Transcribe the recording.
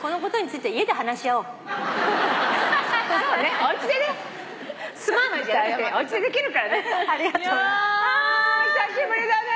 いや久しぶりだね。